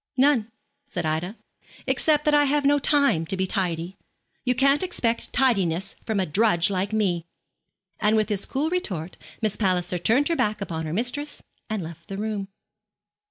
'None,' said Ida, 'except that I have no time to be tidy. You can't expect tidiness from a drudge like me.' And with this cool retort Miss Palliser turned her back upon her mistress and left the room.